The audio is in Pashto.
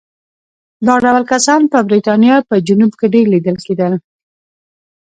دا ډول کسان په برېټانیا په جنوب کې ډېر لیدل کېدل.